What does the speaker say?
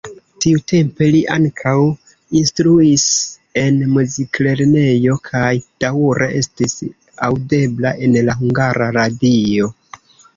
Tiutempe li ankaŭ instruis en muziklernejo kaj daŭre estis aŭdebla en la Hungara Radio.